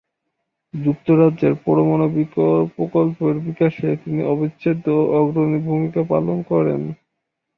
যুক্তরাজ্যের পরমাণু প্রকল্পের বিকাশে তিনি অবিচ্ছেদ্য ও অগ্রণী ভূমিকা পালন করেন।